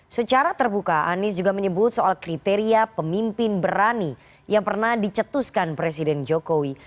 secara terbuka anies juga menyebut soal kriteria pemimpin berani yang pernah dicetuskan presiden jokowi